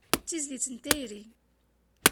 D tizlit n tayri.